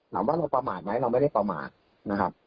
เราประมาทไหมเราไม่ได้ประมาทนะครับ